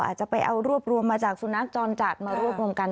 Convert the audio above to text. อาจจะไปเอารวบรวมมาจากสุนัขจรจัดมารวบรวมกัน